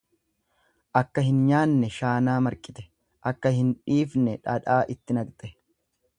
Akka hin nyaanne shaanaa marqite akka hin dhiifne dhadhaa itti naqxe.